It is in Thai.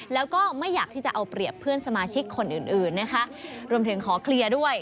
แล้วก็ไม่อยากที่จะเอาเปรียบเพื่อนสมาชิกคนอื่นอื่นนะคะรวมถึงขอเคลียร์ด้วย